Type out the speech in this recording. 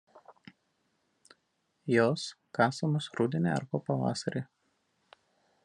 Jos kasamos rudenį arba pavasarį.